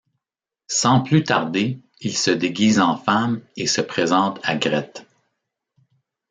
Sans plus tarder, il se déguise en femme et se présente à Grete.